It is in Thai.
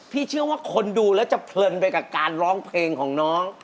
เชื่อว่าคนดูแล้วจะเพลินไปกับการร้องเพลงของน้อง